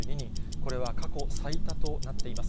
これは過去最多となっています。